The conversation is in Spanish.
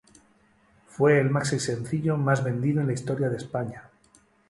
Fue el maxi sencillo más vendido en la historia de España.